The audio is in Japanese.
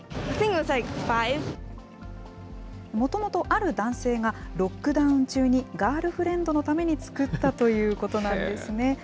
もともと、ある男性がロックダウン中にガールフレンドのために作ったということなんですね。